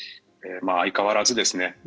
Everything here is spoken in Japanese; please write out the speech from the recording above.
相変わらずですね。